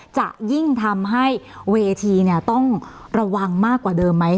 จะยิ่งทำให้เวทีต้องระวังมากกว่าเดิมไหม